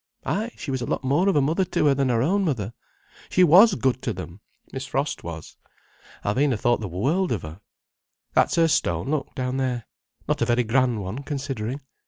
Ay, she was a lot more of a mother to her than her own mother. She was good to them, Miss Frost was. Alvina thought the world of her. That's her stone—look, down there. Not a very grand one, considering.